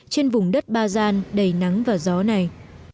trên vùng đất ba gian đầy nắng và gió này